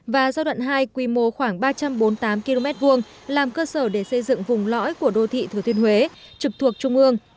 và giai đoạn hai quy mô khoảng ba trăm bốn mươi tám km hai làm cơ sở để xây dựng vùng lõi của đô thị thừa thiên huế trực thuộc trung ương